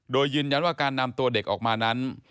โดยยืนยันว่าการนำตัวเด็กออกมานั้น